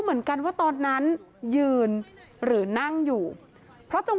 พ่อแม่มาเห็นสภาพศพของลูกร้องไห้กันครับขาดใจ